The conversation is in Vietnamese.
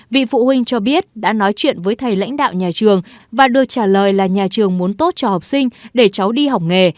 vị phụ huynh cho biết đã nói chuyện với thầy lãnh đạo nhà trường và được trả lời là nhà trường muốn tốt cho học sinh để cháu đi học nghề